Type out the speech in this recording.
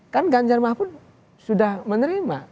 kan ganjar mahfud sudah menerima